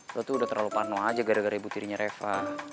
kalau tuh udah terlalu pano aja gara gara ibu tirinya reva